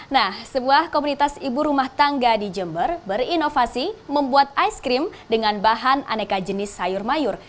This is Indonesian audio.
nah sebuah komunitas ibu rumah tangga di jember berinovasi membuat ice cream dengan bahan aneka jenis sayur mayur